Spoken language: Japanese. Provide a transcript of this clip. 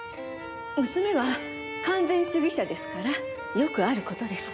娘は完全主義者ですからよくある事です。